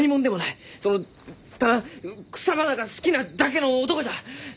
そのただ草花が好きなだけの男じゃ！